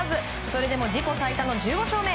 それでも自己最多の１５勝目。